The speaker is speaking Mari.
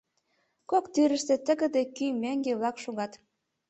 Кок тӱрыштыжӧ тыгыде кӱ меҥге-влак шогат...